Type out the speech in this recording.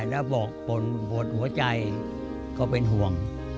แล้วบอกปวดหัวใจก็เป็นห่วง